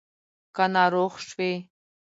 که ناروغ شوې